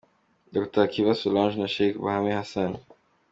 Dr Hakiba Solange na Sheick Bahame Hassan